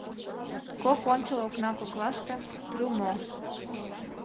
Кок ончыл окна коклаште — трюмо.